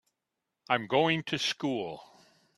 I'm going to school.